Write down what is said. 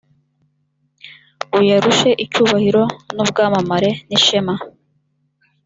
uyarushe icyubahiro, n’ubwamamare n’ishema;